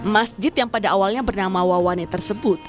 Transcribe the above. masjid yang pada awalnya bernama wawane tersebut